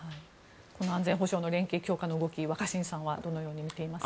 安全保障の連携強化の動き若新さんはどのように見ていますか。